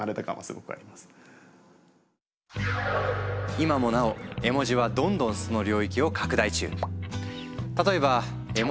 今もなお絵文字はどんどんその領域を拡大中。